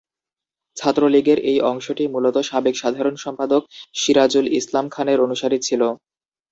ছাত্রলীগের এই অংশটি মূলত সাবেক সাধারণ সম্পাদক সিরাজুল ইসলাম খানের অনুসারী ছিল।